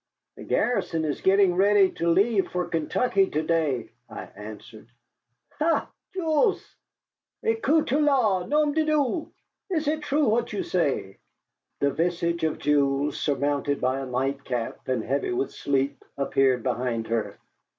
"The garrison is getting ready to leave for Kentucky to day," I answered. "Ha! Jules! Écoute toi! Nom de dieu! Is it true what you say?" The visage of Jules, surmounted by a nightcap and heavy with sleep, appeared behind her.